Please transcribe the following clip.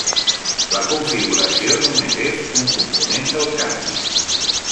La configuració només és un component del canvi.